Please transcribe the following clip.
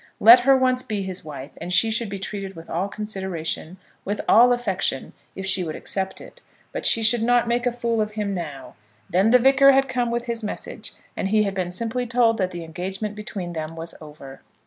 Let her once be his wife and she should be treated with all consideration, with all affection, if she would accept it; but she should not make a fool of him now. Then the Vicar had come with his message, and he had been simply told that the engagement between them was over!